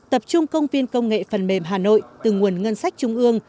tập trung công viên công nghệ phần mềm hà nội từ nguồn ngân sách trung ương